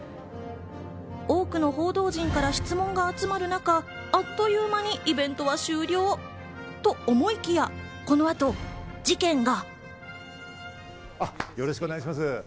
多くの報道陣から質問が集まる中、あっという間にイベントは終了。と思いきや、この後、事件が。